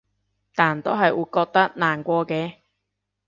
但都係會覺得難過嘅